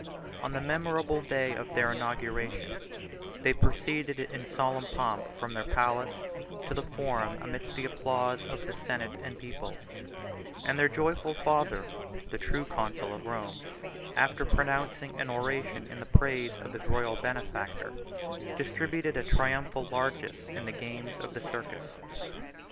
93 On the memorable day of their inauguration, they proceeded in solemn pomp from their palace to the forum amidst the applause of the senate and people; and their joyful father, the true consul of Rome, after pronouncing an oration in the praise of his royal benefactor, distributed a triumphal largess in the games of the circus.